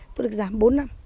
tôi được giảm bốn năm